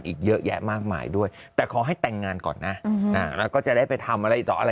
อีกเยอะแยะมากมายด้วยแต่ขอให้แต่งงานก่อนนะแล้วก็จะได้ไปทำอะไรต่ออะไร